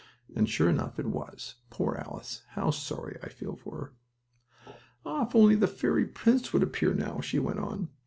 and, sure enough it was. Poor Alice! How sorry I feel for her. "Ah, if only the fairy prince would appear now," she went on.